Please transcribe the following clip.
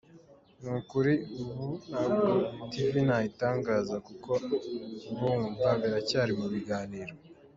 Nukuri ubu ntabwo Tv nayitangaza kuko urumva biracyari mu biganiro.